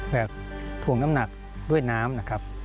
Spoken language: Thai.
แบบถ่วงน้ำหนักด้วยน้ำนะครับ